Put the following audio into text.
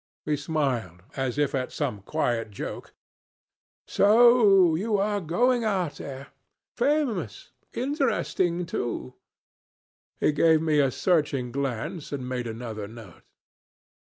He smiled, as if at some quiet joke. 'So you are going out there. Famous. Interesting too.' He gave me a searching glance, and made another note.